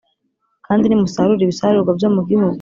Kandi nimusarura ibisarurwa byo mu gihugu